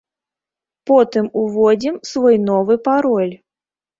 Потым уводзім свой новы пароль.